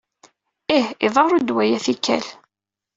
Ih, iḍerru-d waya tikkal.